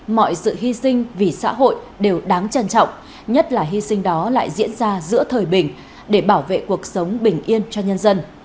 mọi sự hy sinh vì xã hội đều đáng trân trọng nhất là hy sinh đó lại diễn ra giữa thời bình để bảo vệ cuộc sống bình yên cho nhân dân